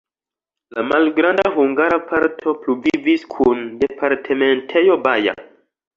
La malgranda hungara parto pluvivis kun departementejo Baja.